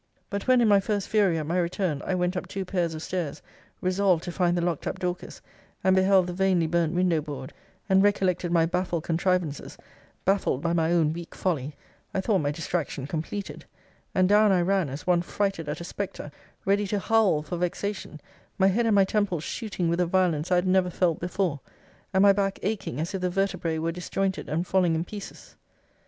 But when in my first fury, at my return, I went up two pairs of stairs, resolved to find the locked up Dorcas, and beheld the vainly burnt window board, and recollected my baffled contrivances, baffled by my own weak folly, I thought my distraction completed; and down I ran as one frighted at a spectre, ready to howl for vexation; my head and my temples shooting with a violence I had never felt before; and my back aching as if the vertebrae were disjointed, and falling in pieces.